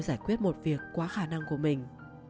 giải quyết một việc quá khả năng của mình